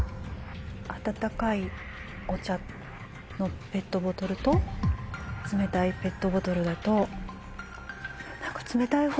温かいお茶のペットボトルと冷たいペットボトルだと。